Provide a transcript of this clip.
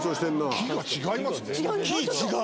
木が違いますね。